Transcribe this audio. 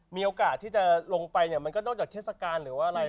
มีโอกาสที่จะลงไปเนี่ยมันก็นอกจากเทศกาลหรือว่าอะไร